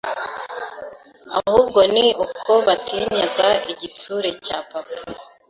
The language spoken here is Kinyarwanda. ahubwo ni uko batinyaga igitsure cya papa